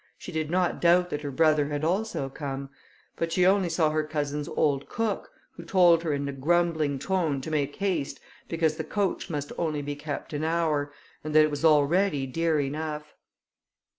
She did not doubt that her brother had also come; but she only saw her cousin's old cook, who told her in a grumbling tone to make haste because the coach must only be kept an hour, and that it was already dear enough.